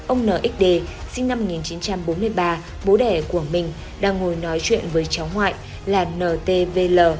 ông nxd sinh năm một nghìn chín trăm bốn mươi ba bố đẻ của mình đang ngồi nói chuyện với cháu ngoại là ntvl